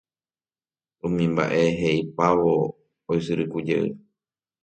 Umi mba'e he'ipávo oisyrykujey